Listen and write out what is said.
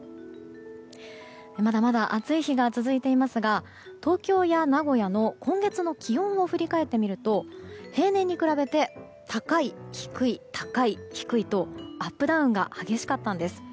まだまだ暑い日が続いていますが東京や名古屋の今月の気温を振り返ってみると平年に比べて高い、低い高い、低いとアップダウンが激しかったんです。